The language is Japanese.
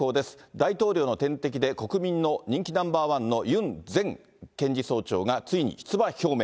大統領の天敵で国民の人気ナンバー１のユン前検事総長がついに出馬表明。